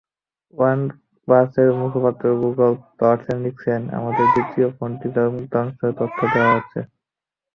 One প্লাসের মুখপাত্র Google প্লাসে লিখেছেন, আমাদের দ্বিতীয় ফোনটির যন্ত্রাংশের তথ্য দেওয়া হচ্ছে।